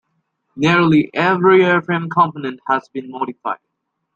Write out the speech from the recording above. Nearly every airframe component has been modified.